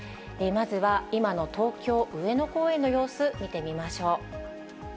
まずは今の東京・上野公園の様子、見てみましょう。